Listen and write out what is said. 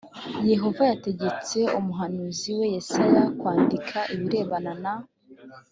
yehova yategetse umuhanuzi we yesaya kwandika ibirebana na